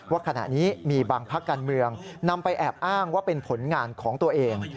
ว่าขณะนี้มีบางพักการเมืองนำไปแอบอ้างว่าเป็นผลงานของตัวเอง